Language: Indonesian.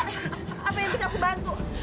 apa yang bisa aku bantu